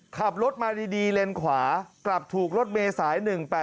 ขับรถมาดีเลนขวากลับถูกรถเมย์สาย๑๘๘